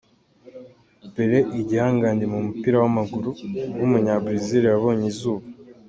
Pelé, igihangange mu mupira w’amaguru w’umunyabrazil yabonye izuba.